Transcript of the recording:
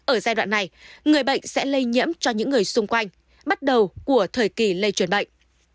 ở giai đoạn này người bệnh sẽ lây nhiễm cho những người xung quanh bắt đầu của thời kỳ lây truyền bệnh